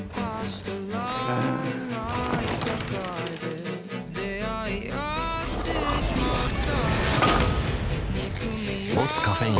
うん「ボスカフェイン」